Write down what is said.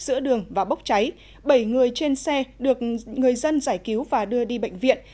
giữa đường và bốc cháy bảy người trên xe được người dân giải cứu và đưa đi bệnh viện